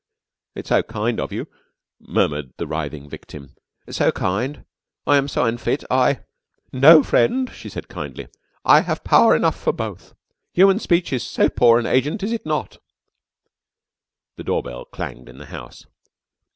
"It's so kind of you," murmured the writhing victim, "so kind. I am so unfit, I " "No, friend," she said kindly. "I have power enough for both. The human speech is so poor an agent, is it not?" A door bell clanged in the house.